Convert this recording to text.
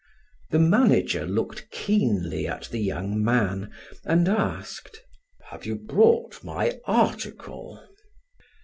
The manager looked keenly at the young man and asked: "Have you brought my article?"